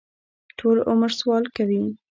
ټول عمر سوال کوي.